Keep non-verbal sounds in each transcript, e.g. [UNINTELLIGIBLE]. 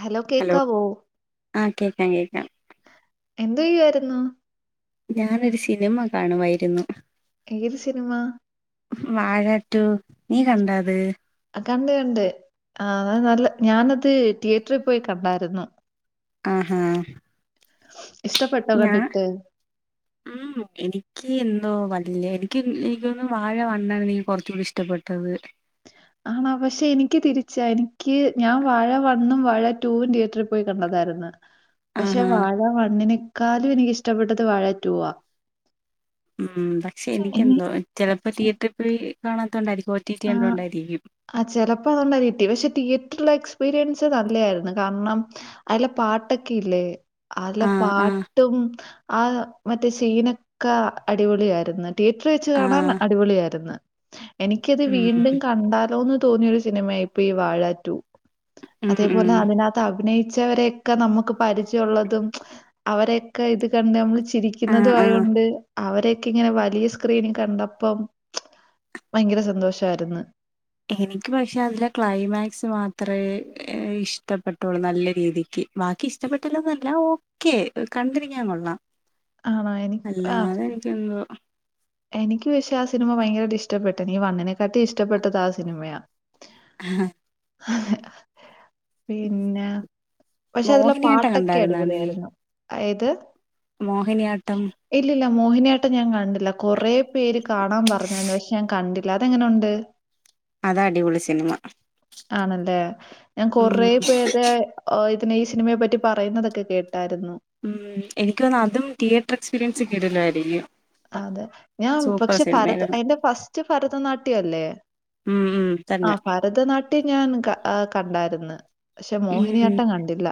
Hello കേക്കാവോ ആ കേക്കാം കേക്കാം എന്തയ്യുവായിരുന്നു ഞാനൊരു സിനിമ കാണുവായിരുന്നു ഏത് സിനിമ വാഴ റ്റു കണ്ട് കണ്ട് ആ അത് നല്ല ഞാനത് തിയേറ്ററിൽ പോയി കണ്ടായിരുന്നു ആഹാ ഇഷ്ടപ്പെട്ടോ ഞാ കണ്ടിട്ട് ഉം എനിക്ക് എ ന്തോ വല്യ എനിക്ക് എനിക്കോന്നുന്നുവാഴ വണ്ണാണ് എനിക്ക് കുറച്ചൂടി ഇഷ്ടപ്പെട്ടത് ആണോ പക്ഷെ എനിക്ക് തിരിച്ചാ എനിക്ക് ഞാൻ വാഴ വണ്ണും വാഴ ടൂവും തിയേറ്ററിൽ പോയി കണ്ടതായിരുന്നു പക്ഷെ ആഹാ വാഴ വണ്ണിനെ കാലും എനക്കിഷ്ടപ്പെട്ടത് വാഴറ്റൂവാ ഉം പക്ഷെ എനിക്കെന്തോ ചെലപ്പോ തീയറ്ററിൽ പോയി കാണാത്ത കൊണ്ടായിരിക്കും ആ ആ ചെലപ്പോ അതുകൊണ്ടായിരിക്കും പക്ഷെ തിയേറ്ററിലെ എക്സ് എക്സ്പീരിയൻസ് നല്ല ആയിരുന്നു കാരണം അതിലെ പാട്ടൊക്കെ ഇല്ലേ? അതില ആഹ് ആഹ് പാട്ടും ആ മറ്റേ ശീനൊക്കെ അടിപൊളി ആയിരുന്ന് തിയേറ്ററീ വെച്ച് കാണാൻ ആഹ് അടിപൊളിയായിരുന്ന് എനിക്ക് ക്കത് അത് ഉം വീണ്ടും കണ്ടാലോന്ന് തോന്നിയൊരു സിനിമ ആയിപ്പോയി ഈ വാഴാ റ്റൂ ഉം ഉം അതേപോലെ അതിനകത്ത് അഭിനയി ച്ചവരെയൊക്കെ നമുക്ക് പരിചയം ഉള്ളതും അവരെയൊക്കെ ഇത് കണ്ട് നമ്മള് ചി ആഹ് ചിരിക്കുന്നതും ആഹ് ആയോണ്ട് അവരൊക്കെ ഇങ്ങനെ വലിയ സ്ക്രീനി കണ്ടപ്പം ഭയങ്കര സ സന്തോഷ ആയിര്ന്ന്. എനിക്ക് പക്ഷെ അതിലെ ക്ലൈമാക്സ് മാത്രമേ ഇഷ്ടപ്പെട്ടുള്ളു നല്ല രീതിക്ക് ബാക്കി ഇഷ്ടപ്പെട്ടില്ലന്നല്ല ഓക്കെ കണ്ടിരിക്കാൻ കൊള്ളാം ആണോ എനി ആഹ് അല്ലാതെ എനിക്കെന്തോ എനിക്ക് പക്ഷേ ആ സിനിമ ഭയങ്കരമായിട്ട് ഇഷ്ടപ്പെട്ടെനി വണ്ണിനെക്കാട്ടി ഇഷ്ടപ്പെട്ടത് ആ സിനിമയാണ് ആഹ് പിന്നെ പക്ഷെ അതില മോഹിനിയാട്ടം പാട്ടൊക്കെ കണ്ടായിരുന്നാ അടിപൊളിയ നീ ആയിരുന്നു ഏത് മോഹിനിയാട്ടം ഇല്ലില്ല. മോഹിനിയാട്ടം ഞാൻ കാണ്ടില്ല കുറെ പേര് കാണാൻ പറഞ്ഞരുന്നു പക്ഷെ ഞാൻ കണ്ടി അല്ലാതെങ്ങനെ ഉണ്ട് അത് അടിപൊളി സിനിമ ആണല്ലേ ഞാൻ ഉം കൊറെ പേരെ പിന്നെ ഈ സിനിമയെ പറ്റി പറയുന്നതൊക്കെ കേട്ടായിരുന്നു ഉം എനിക്ക് തന്ന അതും തിയേറ്റർ എക്സ്പീരിയൻസ് കിടിലൻ ആയിരിക്കും അതെ ഞാൻ പക്ഷെ ഭരത അയിറെ ഫസ്റ്റ് ഭരതനാട്യംല്ലേ ഉം ഉം ആ തന്നെ ഭരതനാട്യം ഞാൻ കണ്ടായിരുന്നു പക്ഷെ ഉം മോഹിനിയാട്ടം കണ്ടില്ല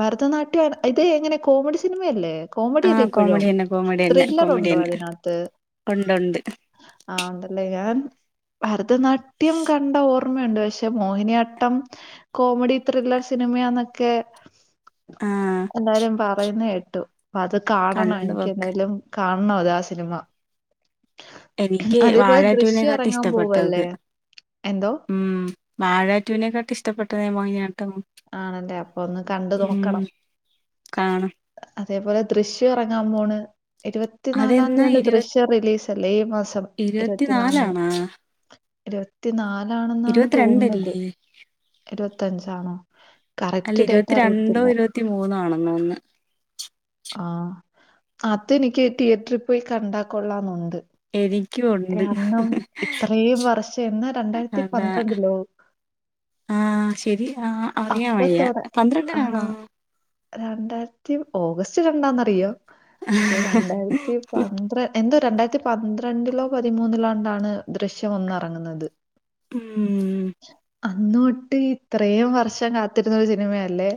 ഭരതനാട്യം ഇത് എങ്ങനെ കോമഡി സിനിമയല്ലേ കോമഡി ആ അല്ലേ ഇപ്പോഴും കോമഡി തന്നെ കോമഡി തന്നെ ത്രില്ലറ കോമഡി ഉണ്ടോ തന്നെ അതിന് അകത്ത് ഉണ്ടുണ്ട് ആ ഉണ്ടല്ലേ ഞാൻ ഭരതനാട്യം കണ്ട ഓർമ്മയുണ്ട് പക്ഷെ മോഹിനിയാട്ടം കോമഡി ത്രില്ലർ സിനിമയാന്നൊക്കെ ആ എല്ലാരും പറയുന്ന കേ ട്ടു പ്പ അത് കണ്ടു കാണണം എനിക്ക് നോക്ക് എന്തായാലും കാണണം അത സിനിമ എനിക്ക് അതേപോലെ വാഴ ദൃശ്യം റ്റുവിനെക്കാട്ടി ഇറങ്ങാൻ ഇഷ്ടപ്പെട്ടത് പോവല്ലേ? എന്തോ? ഉം വാഴ റ്റുവിനെക്കാട്ടി ഇഷ്ടപ്പെട്ടത് [UNINTELLIGIBLE] ആണല്ലേ അപ്പൊ ഒന്ന് കണ്ട് ഉം നോക്കണം കാണും അതേപോലെ ദൃശ്യം ഇറങ്ങാൻ പോണ് അതെന്നാ ഇരുപത്തിനാലാംത്തിയങ്ങാണ്ട് ഇരുപ ദൃശ്യം റിലീസ് അല്ലേ ഈ മാസം ഇരുപത്തിനാലിന് ഇരുപത്തിനാലാണാ ഇരുപത്തി നാല ണെന്നാണ് തോന്നുന്നത് ഇരുപത്തിരണ്ടല്ലേ ഇരുപത്തഞ്ചാണോ അല്ല കറക്റ്റ് ഡേറ്റ് ഇരുപത്തിരണ്ടോ അറിയത്തില്ല ഇരുപത്തി മൂന്നോ ആണെന്ന് തോന്ന് ആഹ് അത് എനിക്ക് തിയറ്ററി പോയി കണ്ടാ കൊള്ളാംന്നുണ്ട് എനിക്കും ഉണ്ട് കാരണം ഇത്രയും വർഷം എന്നാ രണ്ടായിരത്തി അതാ പന്ത്രണ്ടിലോ ആ ശരി ആ അറിയാൻ വയ്യ അപ്പൊത്തൊടെ ആണോ പന്ത്രണ്ടിനാണ് രണ്ടായിരത്തി ഓഗസ്റ്റ് രണ്ടാന്ന്റിയോ പക്ഷെ രണ്ടായിരത്തി പന്ത്ര എന്തു രണ്ടായിരത്തി പന്ത്രണ്ടിലോ പതിമൂന്നിലോണ്ടാണ് ദൃശ്യം ഒന്നെറങ്ങുന്നത്. ഉം അന്നോട്ട് ഇത്രേം വർഷ കാത്തിരുന്ന ഒരു സിനിമയല്ലേ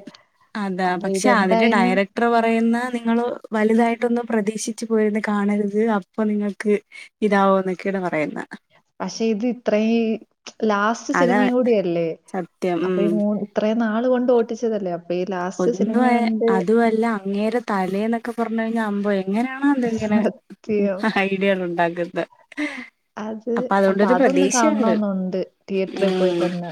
അതാ അപ്പൊ പക്ഷെ അതിന്റെ ഇതെന്തായാലും ഡയറക്ടർ പറയുന്നെ നിങ്ങൾ വലുതായിട്ടൊന്നും പ്രതീക്ഷി പോയിരുന്നു കാണരുത് അപ്പൊ നിങ്ങൾക്ക് ഇതാവുന്നൊക്കെയാണ് പറയുന്ന പക്ഷെ ഇത് ഇത്രേം ലാസ്റ്റ് അതാ സിനിമേം കൂടിയല്ലേ സത്യം അപ്പൊ ഈ ഉം മൂ ഇത്രയും നാള് കൊണ്ട് ഓട്ടിച്ചതല്ലേ അപ്പൊ ഈ ലാസ്റ്റ് സിനിമ ഒന്നും കണ്ട് അതുമല്ല അങ്ങേര തലേ എന്നൊക്കെ പറഞ്ഞ കഴി ഞാ അബുയ് എങ്ങനാണോ എന്തെങ്ങനെ യ്യോ ഐഡിയകൾ ഉണ്ടാക്കുന്നത് അത് അപ്പൊ അതുകൊണ്ടൊരു അതൊന്ന് പ്രതീക്ഷണ്ട് കാണണോന്നുണ്ട്. തിയേറ്ററിൽ പോയി ഉം തന്നെ.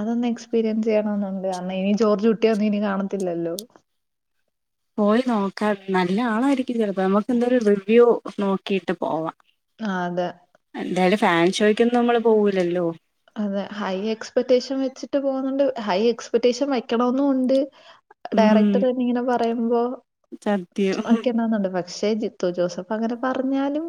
അതൊന്ന് എക്സ്പീരിയൻസ് ചെയ്യണന്നുണ്ട് കാരണം ഇനി ജോർജ് കുട്ടിയൊന്നും ഇനി കാണത്തില്ലല്ലോ പോയി നോക്കാം നല്ല ആളായിരി ചിലപ്പം നമ്മക്ക് എന്തായാലും റിവ്യൂ ന്നോ ക്കീട്ട് പോവാ ആ അതെ എന്തായാലും ഫാൻ ഷോയ്ക്കൊന്നും നമ്മള് പോകൂല്ലല്ലോ അതെ ഹൈ എക്സ്പെക്ടേഷൻ വെച്ചിട്ട് പോന്നുണ്ട് ഹൈ എക്സ്പെക്റ്റേഷൻ വയ്ക്കണമന്നും ഉണ്ട് ഉം ഡയറക്ട് തന്നെ ഇങ്ങനെ പ പറയുമ്പോ സത്യം. ഒക്കെ ഉണ്ടാവുന്നുണ്ട്. പക്ഷേ ജിത്തു ജോസഫ് അങ്ങനെ പറഞ്ഞാലും.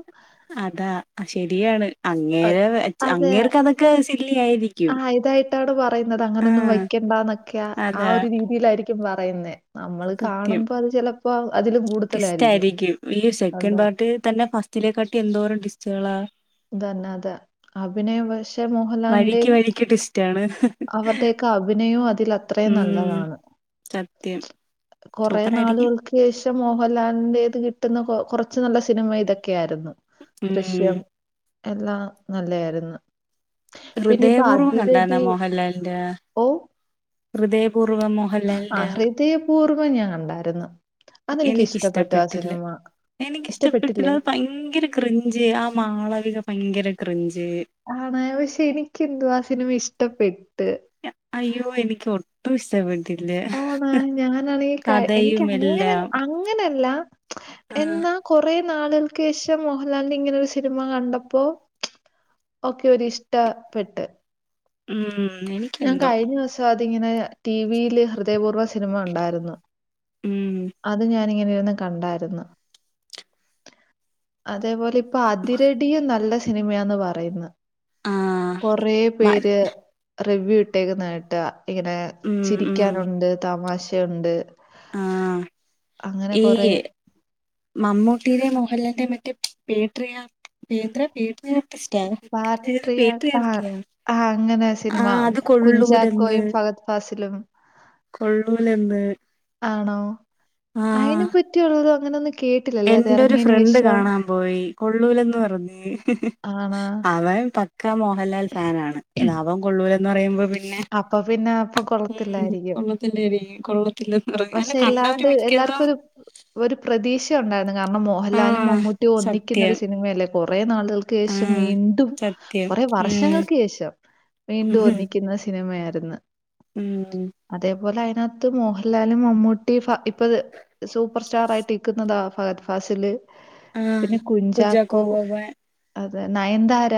അതാ ശരിയാണ്. അങ്ങേരെ വെച്ച് അതെ അങ്ങേർക്ക് അതൊക്കെ സില്ലി ആയിരിക്കും ആഹ് ഇതായിട്ടാണ് പറയുന്നത് അങ്ങനൊന്നും ആഹ് വയ്ക്കണ്ടന്നൊക്കെയ ആ അതാ ഒരു രീതിയിലായിരി ക്കും പറയുന്നേ. നമ്മള് സത്യം കാണുമ്പോ അത് ചിലപ്പോ അതിലും കൂടുതലായിരിക്കും. ടിസ്റ്റാരിക്കും ഈ സെക്കൻഡ് അതെ പാർട്ട് തന്നെ ഫസ്റ്റിലേക്കാട്ടി എന്തോരം ടിസ്റ്റുകളാ തന്ന അതെ അഭിനയ പക്ഷേ മോഹൻലാലിന്റെയും റ്റാണ്. അവരുടെയൊക്കെ അഭിനയവൂം അത് അത്രയും ഉം നല്ലതാണ് സത്യം കൊറേ സൂപ്പറായിരിക്കും നാളുകൾക്ക് ശേഷം മോഹൻലാലിന്റെത് കിട്ട പെട്ടെന്ന് കൊറച്ച് നല്ല സിനിമ ഇതൊക്കെ. ക്കെയ ആരുന്നു ഉം ദൃശ്യം എല്ലാം നല്ലയായിരുന്നു പിന്നെ ഇപ്പൊ ഹൃദയപൂർവ്വം കണ്ടായിരുന്നു അതിരടി മോഹൻ മോഹൻലാലിന്റെ ഓ ഹൃദയപൂർവ ആ മോഹൻലാലിന്റെ ഹൃദയപൂർവ്വം ഞാൻ കണ്ടായിരുന്നു. അതെനിക്ക് ഇഷ്ടപ്പെട്ടു ആ എനിക്കിഷ്ടപ്പെട്ടില്ല സിനിമ. ഇഷ്ടപ്പെട്ടില്ലേ? എനിക്കിഷ്ടപ്പെട്ടില്ലത് ഭയങ്കര ക്രഞ്ചി ആ മാളവിക ഭയങ്കര ക്രഞ്ചി ആണോ ഓ ശരി എനിക്കെന്തുവാണോ ആവോ ആ സിനിമ ഇഷ്ടപ്പെട്ടു ഇല്ല അയ്യോ എനിക്കോ ട്രിപ്പിൾ സെവൻ ആണോ ഞാനാണെങ്കിൽ എനിക്ക് കഥയും അങ്ങന എല്ലാം അങ്ങനല്ല ആ എന്നാ കൊറെ നാളുകൾക്ക് ശേഷം മോഹൻലാലിന്റെ ഇങ്ങനെ ഒരു സിനിമ കണ്ടപ്പോ ഒക്കെ ഒ ഇഷ്ടപ്പെട്ട് ഉം ഞാൻ എനിക്കെന്തോ കഴിഞ്ഞ ദിവസം അ ഇങ്ങനെ ടിവിയില് ഹൃദയപൂർവ്വ സിനിമ ഉണ്ടായിരുന്നു ഉം അത് ഞാനിങ്ങനെ കണ്ടായിരുന്നു അതേപോലെ ഇപ്പൊ അതിരടിയ നല്ല സിനിമയാന്ന് പറയുന്നു ആ കൊറേ മ- പേര് റിവ്യൂ ഇട്ടേക്ക് നേട്ടമാ ഇങ്ങനെ ഉം ഉം ചിരിക്കാനുണ്ട് തമാശ [UNINTELLIGIBLE] ഉണ്ട് ആ ഈ മമ്മൂട്ടിയുടെ മോഹലന്റെ മറ്റേ പാട്രിയോട് എന്നാ പാട്രിയോട് പാട്രിയോട് ആ ആ അങ്ങനെ ആ സിനിമ അത് കൊള്ളൂലെന്ന് കുഞ്ചാക്കോയും ഫഹദ് ഫാസിലും ന്ന് ആണോ അയിന് പറ്റിയുള്ളരു [INAUDIBLE] എന്റെ ഒരു ഫ്രണ്ട് കാണാൻ പോയി കൊള്ളൂലന്ന് പറഞ്ഞ ആണാ? അവൻ പക്ക മോഹൻലാൽ ഫാനാണ് ഇത് അവൻ കൊള്ളുല്ലാന്ന് എന്ന് പറയുമ്പോൾ പിന്നെ അപ്പൊ പിന്നെ അപ്പൊ കൊള്ളത്തിലായിരിക്കും കൊള്ളും പക്ഷെ എല്ലാണ്ട് എല്ലാവർക്കും ഒരു ഒരു പ്രതീക്ഷ ഉണ്ടായിരുന്നു കാരണം ആ മോഹൻലാലും മമ്മൂട്ടിയും ഒന്നിക്കുന്ന ഒരു സത്യം സിനിമയല്ല കൊറേ നാൾ. ആ ശേഷം വീണ്ടും സത്യം കൊറേ ഉം വർഷങ്ങൾക്ക് ശേഷം വീണ്ടും ഉം ഒന്നിക്കുന്ന സിനിമയായി ഇന്ന് ഉം. ത്ത് മോഹല എല്ലാലും മമ്മൂട്ടി ഫ ഇപ്പ സൂപ്പർ സ്റ്റാർ ആയിട്ട് ഇക്കുന്നതാ ഫഅത് ഫാസില്. ആ കുഞ്ചാക്കോ ബോബൻ. അത് നയൻതാര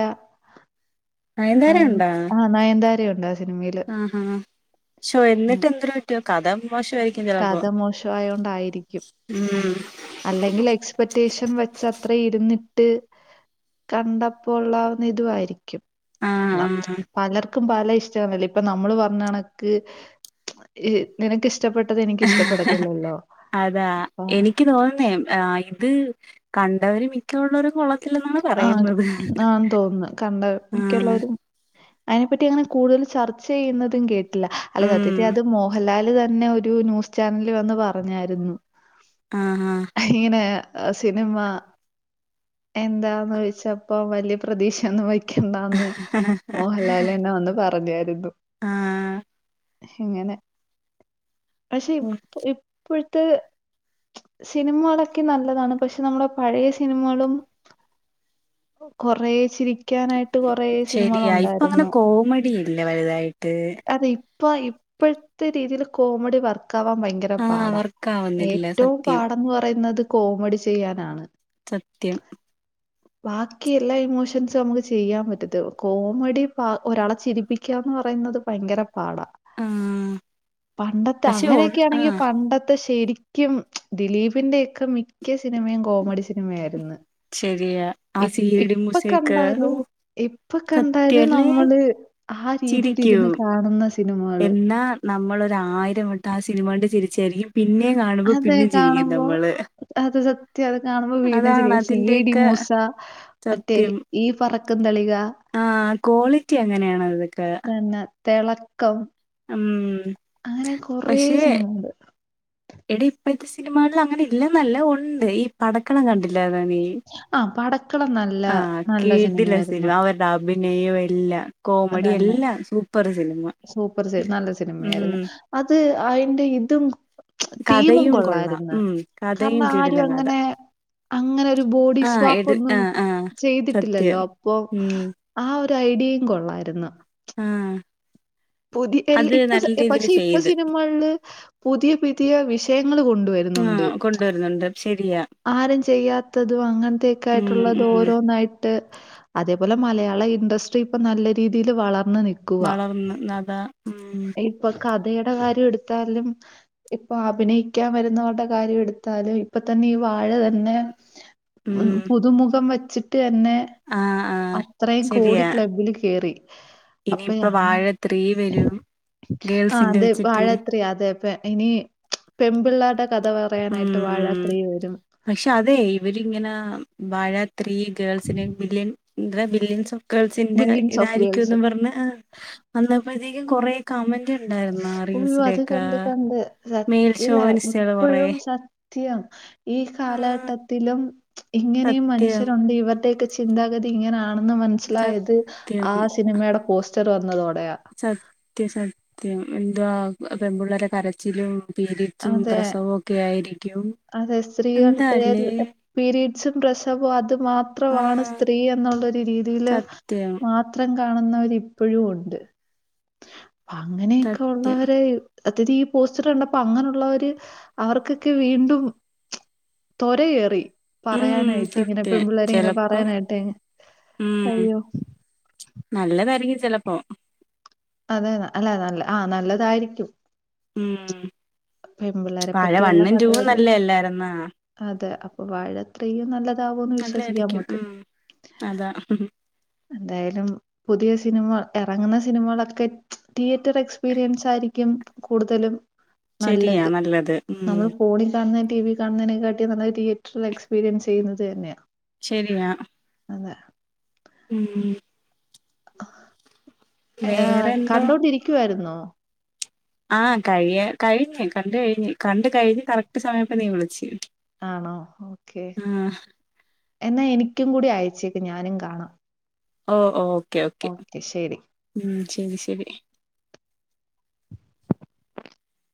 നയൻതാര നയൻ ഉണ്ടോ ആ നയന്താരേം ആഹാ ശോ ഉം. എന്ന്ട്ട് എന്തര് പറ്റിയോ കഥ മോശമായിരിക്കും ചിലപ്പോ കഥ മോശമായോണ്ടായിരിക്കും. ഉം അല്ലെങ്കിൽ എക്സ്പെക്റ്റേഷൻ വെച്ചാ അത്ര ഇരുന്നിട്ട് കണ്ടപ്പോള്ളാവുന്ന ഇതുവായിരിക്കും. ആഹ് ആഹ് പലർ ക്കും പല ഇഷ്ട്ടാണല്ലോ ഇപ്പ നമ്മള് പറഞ്ഞണക്ക് നിനക്ക് ഇഷ് ഇഷ്‌ടപ്പെട്ട് അതാ അപ്പൊ എനിക്ക് തോന്നുന്നേ ആ ഇത് കണ്ടവര് മിക്ക ഉള്ളവരും കൊള്ളത് ആഹ് ആൻ തോന്നുന്നു കണ്ട മിക്കുള്ള ആഹ് ഒരു അതിനെപ്പറ്റി അങ്ങനെ കൂടുതൽ ചർച്ച ചെയ്യുന്നതും കേട് അല്ല അല്ല ഉം സത്യത്തിൽ അത് മോഹൻലാൽ ല് തന്നെ ഒരു ന്യൂസ് ചാനലില് വന്ന് പറഞ്ഞായിരുന്നു ആ ആ ഇങ്ങനെ സിനിമ എന്താ ന്ന് ചോദിച്ചപ്പോ വലിയ പ്രതീക്ഷയൊന്നും വെയ് ക്കണ്ടാന്ന് ആഹ് മോഹൻലാലെന്നെ വന്ന് പറഞ്ഞായിരുന്നു. ആഹ് ഇങ്ങനെ പക്ഷെ ഉം ഇപ്പൊ ഇപ് ഇപ്പോഴത്തെ സിനിമകളൊക്കെ നല്ലതാണ്. പക്ഷെ നമ്മുടെ പഴയ സിനിമകളും കൊറേ ചിരി ശരിയാ ഇപ്പ അങ്ങനെ കോമഡി ഇല്ല വലുതായിട്ട്. ഇപ്പോൾ ഇപ്പോഴത്തെ രീതിയിൽ കോമഡി വർക് കാവാൻ ഭയങ്കര ആഹ് പാടാ. വർക്കാവുന്നില്ല ഏറ്റവും സത്യം പാടെന്ന് പറയുന്നത് കോമഡി ചെയ്യാനാണ്. സത്യം ബാക്കി എല്ലാ ഇമോഷൻസും നമുക്ക് ചെയ്യാൻ പറ്റത് കോമഡി ഒരാളെ ചിരിപ്പിക്കാന്ന് പറയുന്നത് ഭയങ്കര പാടാ ആഹ് പണ്ടത്തെ പക്ഷെ ഒ അങ്ങനെയൊക്കെ ആണെങ്കി ആഹ് പണ്ടത്തെ ശരി ക്കും ദിലീപിന്റെക്ക മിക്ക സിനിമയും കോമഡി സിനിമായിരുന്നു ശരിയാ ആ സീ [UNINTELLIGIBLE] ഡി എപ്പ മ്യൂസിക് ഓ കണ്ടാലും ഇപ്പ കണ്ടാലും സത്യല്ലേ നമ്മള് ആ രീതിൽ ചിരിക്കും ഇരുന്ന് കാണുന്ന [UNINTELLIGIBLE] എന്നാ നമ്മളൊരു ആയിരം വട്ടം ആ സിനിമ കണ്ട് ചിരി [UNINTELLIGIBLE] അതേ കാണുമ്പോ അത് സത്യ അത് കാണുമ്പോ വീണ്ടും അതാണ് ചിരിക്കും സിഐഡി അതിന്റെയൊക്കെ മൂസ മറ്റേ ഈ പറ ക്കും തളിക ആ ക്വാളിറ്റി അങ്ങനെയാണ് അതൊക്ക തെള കം അങ്ങനെ കൊറേ സിനിമ [UNINTELLIGIBLE] എടീ ഇപ്പഴത്തെ സിനിമകളിൽ അങ്ങനെ ഇല്ലെന്നല്ല ഉണ്ട് ഈ പടക്കളം കണ്ടില്ലേ [UNINTELLIGIBLE] ആ പടക്കളം നല്ല ആ നല്ല കിടിലം സിനിമ സിനിമയായിരുന്നു അവരുടെ അഭി [UNINTELLIGIBLE] കോമഡി തന്നെ എല്ലാം സൂപ്പർ സിനിമ സൂപ്പർ ഉം അയിന്റെ ഇതും [UNINTELLIGIBLE] തീമും കഥയും കൊള്ളാം. കൊള്ളായിരുന്നു ഉം കാരണം കഥയും ആരും കിടിലം കഥ. അങ്ങനെ അങ്ങനെ ഒരു ബോഡി ആഹ് സ്വാപ്പ് എട് ഒന്നും ആഹ് ആഹ് ചെയ്തിട്ടില്ലല്ലോ സത്യം. അപ്പൊ ഉം ആ ഒ [UNINTELLIGIBLE] കൊള്ളായിരുന്നു ആഹ് [UNINTELLIGIBLE] അത് [UNINTELLIGIBLE] ഇപ്പൊ നല്ല രീതിയിൽ പക്ഷെ ഇപ്പൊ ചെയ്ത് സിനിമകളില് പുതിയ പുതിയ വിഷയങ്ങൾ കൊണ്ടുവരുന്നുണ്ട് ആഹ് കൊണ്ടുവരുന്നുണ്ട് ശരിയാ ആരും ചെയ്യാത്തതും അങ്ങനത്തേക്കെ ഉം ആയിട്ടുള്ളത് ഉം ഓരോന്നായിട്ട് അതേപോ മലയാള ഇൻഡസ്ട്രി ഇപ്പ നല്ല രീതിയിൽ വളർ വളർന്ന് നദ ഉം [UNINTELLIGIBLE] കാര്യം എടുത്താലും ഇപ്പൊ അഭിനയിക്കാൻ വരുന്നവരുടെ കാര്യം എടുത്താലും ഇപ്പൊ തന്നെയും വാഴ തന്നെ ഉം [UNINTELLIGIBLE] പുതുമുഖം [UNINTELLIGIBLE] [UNINTELLIGIBLE] ആഹ് ആഹ് അത്രയും കോടി ശരിയാ ക്ലബ്ബില് കേറി ഇനിയിപ്പ വാഴ ത്രീ വരും [UNINTELLIGIBLE] [UNINTELLIGIBLE] ആഹ് ഗേൾസിന്റെ അതെ വാഴ വെച്ചിട്ട് ത്രീ അതെ ഇനി പെമ്പിള്ളേരുടെ കഥ ഉം പറയാനായിട്ട് വാഴ ഉം ത്രീ വരും പക്ഷെ അതെ ഇവരിങ്ങനാ വാഴ ത്രീ ഗേൾസിന് മില്യൻ എന്തരാ ബില്യൻസ് ഓഫ് ഗേൾസിന്റെ ബില്ലിങ്സ് ഓഫ് ഗേൾസ് ഇതായിരിക്കുംന്ന് പറഞ്ഞ് ഏഹ് വന്നപ്പൊഴത്തേക്കും കൊറെ- കമന്റ് ഉണ്ടായിരുന്ന ഉയ്യോ അത് റീൽസിലെക്ക കണ്ട് കണ്ട് മെയിൽ സത്യല്ല ഷോവനിസ്റ്റ്കള് കൊറേ ഇപ്പോഴും സത്യം ഈ ആഹ് കാലഘട്ടത്തിലും ഇങ്ങനെയും സത്യം മനുഷ്യരുണ്ട് ഇവരുടെക്കെ ചിന്താഗതി ഇങ്ങനാണ് ന്നും മനസ്സിലായത് സത്യം ആ സിനിമയുടെ പോസ്‌ ച്ചർ വന്നതോ [UNINTELLIGIBLE] സത്യ സത്യം - സത്യം എന്തുവാ പെമ്പുള്ളരെ കരച്ചിലും പീരീഡ്‌സ് അതെ പ്രസവൊക്കെ ആയിരിക്കും അതെ എന്താല്ലേ സുഖ പ്രസവോം അ അത് മാത്രമാണ് ആഹ് സ്ത്രീ എന്നൊള്ളൊരു രീതിയില് സത്യം മാത്രം കാണുന്നവരിപ്പൊഴും ഉണ്ട് അങ്ങനെയൊക്കെ സത്യം ഒള്ളവരെ സത്യത്തി ഈ പോസ്റ്റർ കണ്ടപ്പ് ഇപ്പ അങ്ങനെയുള്ളവര് അവർക്കൊക്കെ വീണ്ടും ത്വര കേറി ഉം പറയാനായിട്ട് ഇങ്ങനെ പെൺ സത്യം പിള്ളേര് ഇങ്ങനെ ചെലപ്പം പറയാനായിട്ട് ഇങ്ങ് ഉം അയ്യോ നല്ലതായിരിക്കും ചെലപ്പോ അതെ ന അല്ല നല്ല ആഹ് നല്ലതായിരിക്കും മ് പെൺപിള്ളേരെ പറ്റിയുള്ള കഥകളും നല്ലയല്ലായിരുന്നാ അതെ അപ്പൊ വാഴ ത്രീയും നല്ലതാവുമെന്ന് വിശ്വസിക്കാം നല്ലയായിരിക്കും നമുക്ക് ഉം അതാ എന്തായാലും പുതിയ സിനിമ എറങ്ങുന്ന സിനിമകളൊക്കെ തിയേറ്റർ എക്സ്പീരിയൻസ് ആയിരിക്കും കൂടുതലും ശരിയാ നല്ലത് ഉം നമ്മള് ഫോണി കാണുന്നേ ടി വി കാണുന്നതിനെക്കാട്ടി നല്ലത് തിയേറ്റർ എക്സ്പീരിയൻസ് ചെയ്യുന്നത് തന്നെയാ ശരിയാ അതെ മ് ഏഹ് വേറെ എന്തോ കണ്ടോണ്ടിരിക്കുവാരുന്നോ [UNINTELLIGIBLE] ആഹ് കഴിയ കഴിഞ്ഞു കണ്ട് കഴിഞ്ഞ് കണ്ട് കഴിഞ്ഞ് കറക്റ്റ് സമയായപ്പ നീ വിളിച്ചി ആണോ ഓക്കെ എന്നാ എനിക്കും കൂടി അയച്ചേക്ക് ഞാനും കാണാം ഓ ഓ ഓക്കെ ഓക്കെ, മ്മ്. ശരി ശരി. [INAUDIBLE]